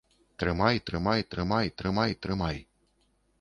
Трымай, трымай, трымай, трымай, трымай.